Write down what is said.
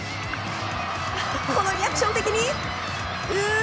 このリアクション的に。